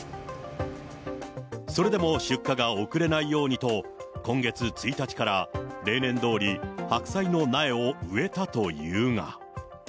それでも出荷が遅れないようにと、今月１日から例年どおり、白菜の苗を植えたというが。